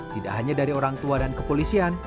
tidak hanya dari orang tua dan kepolisian